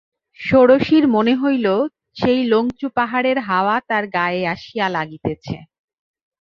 ষোড়শীর মনে হইল, সেই লংচু পাহাড়ের হাওয়া তার গায়ে আসিয়া লাগিতেছে।